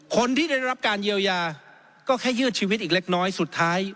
คนที่ได้รับการเยียวยาก็แค่ยืดชีวิตอีกเล็กน้อยสุดท้าย